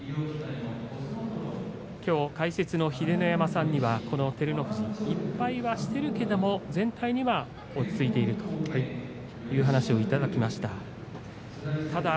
きょう解説の秀ノ山さんには照ノ富士、１敗はしているけれど全体では落ち着いているという話をいただきました。